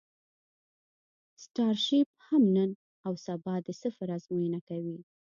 سټارشیپ هم نن او سبا کې د سفر ازموینه کوي.